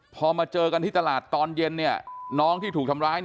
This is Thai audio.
พอมาเจอกันที่ตลาดตอนเย็นน้องที่ถูกทำร้าย